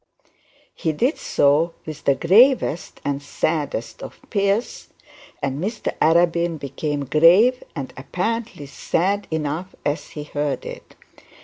He did so with the gravest and saddest of fears, and Mr Arabin became grave and apparently sad enough as he heard it.